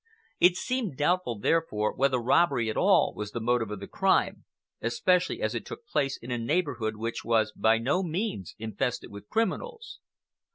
It seemed doubtful, therefore, whether robbery, after all, was the motive of the crime, especially as it took place in a neighborhood which was by no means infested with criminals.